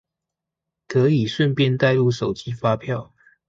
可以順便帶入手機發票